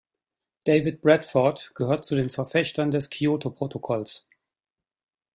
David Bradford gehörte zu den Verfechtern des Kyoto-Protokolls.